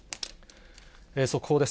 速報です。